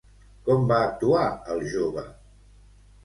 Com va actuar el jove?